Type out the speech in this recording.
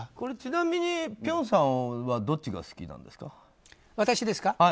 ちなみに、辺さんはどっちが好きなんですか？